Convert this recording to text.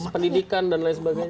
pendidikan dan lain sebagainya